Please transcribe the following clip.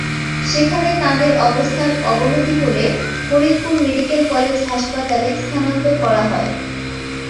সেখানে তাঁদের অবস্থার অবনতি হলে ফরিদপুর মেডিকেল কলেজ হাসপাতালে স্থানান্তর করা হয়।